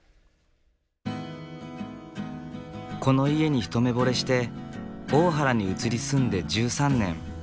この家に一目ぼれして大原に移り住んで１３年。